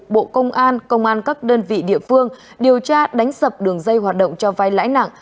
bộ công an công an các đơn vị địa phương điều tra đánh sập đường dây hoạt động cho vai lãi nặng